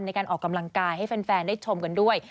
ในการออกกำลังกายให้แฟนได้ชมกันด้วย